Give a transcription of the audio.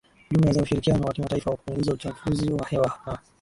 ujumla za ushirikiano wa kimataifa wa kupunguza uchafuzi wa hewa na